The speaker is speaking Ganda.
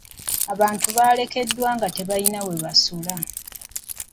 Abantu baalekeddwa nga tebalina we basula.